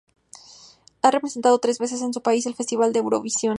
Ha representado tres veces a su país en el Festival de Eurovisión.